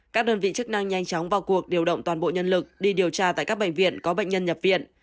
các đơn vị chức năng nhanh chóng vào cuộc điều động toàn bộ nhân lực đi điều tra tại các bệnh viện có bệnh nhân nhập viện